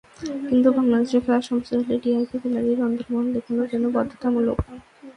কিন্তু বাংলাদেশে খেলা সম্প্রচার হলে ভিআইপি গ্যালারির অন্দরমহল দেখানো যেন বাধ্যতামূলক।